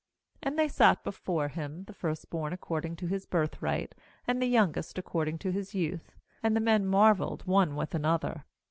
^And they sat before him, the first born according to his birthright, and the youngest according to his youth; and the men marvelled one with another.